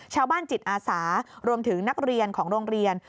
ชาวบ้านจิตอาสารวมถึงนักเรียนของโรงเรียน